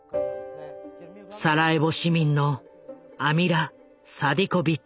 サラエボ市民のアミラ・サディコビッチ。